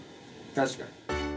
確かに。